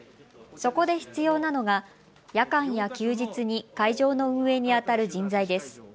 そこで必要なのが夜間や休日に会場の運営にあたる人材です。